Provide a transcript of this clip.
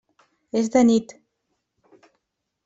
És de nit.